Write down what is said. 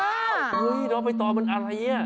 น้องไอ้ตอนมันอะไรนี่